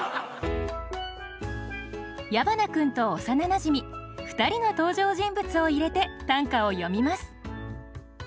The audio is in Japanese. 矢花君と幼なじみ２人の登場人物を入れて短歌を詠みます。